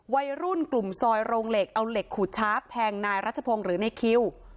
วัยรุ่นกลุ่มซอยโรงเหล็กเอาเหล็กขูดชาร์ฟแทงนายรัชพงศ์หรือในคิว